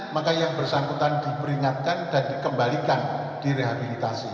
maka yang bersangkutan diperingatkan dan dikembalikan direhabilitasi